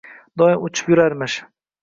Doim uchib yurarmish.